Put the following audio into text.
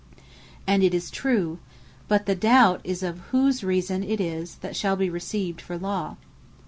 And it is true: but the doubt is, of whose Reason it is, that shall be received for Law.